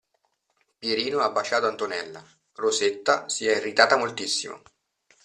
Pierino ha baciato Antonella, Rosetta si è irritata moltissimo.